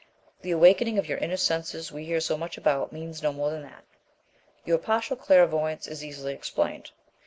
The awakening of the inner senses we hear so much about means no more than that. Your partial clairvoyance is easily explained.